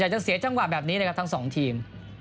จะเสียจังหวะแบบนี้นะครับทั้งสองทีม